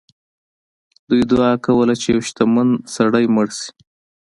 دوی دعا کوله چې یو شتمن سړی مړ شي.